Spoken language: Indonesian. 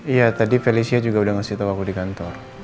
iya tadi felicia juga udah ngasih tau aku di kantor